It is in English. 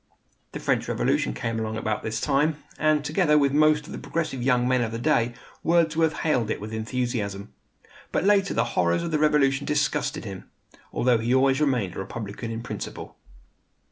The French Revolution came along about this time, and, together with most of the progressive young men of the day, Wordsworth hailed it with enthusiasm. But later the horrors of the Revolution disgusted him; although he always remained a Republican in principle.